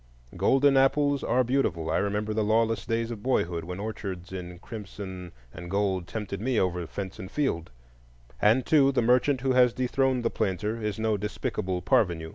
Golden apples are beautiful—I remember the lawless days of boyhood, when orchards in crimson and gold tempted me over fence and field—and, too, the merchant who has dethroned the planter is no despicable parvenu.